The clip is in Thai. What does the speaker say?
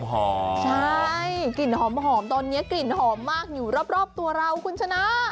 ใช่กลิ่นหอมตอนนี้กลิ่นหอมมากอยู่รอบตัวเราคุณชนะ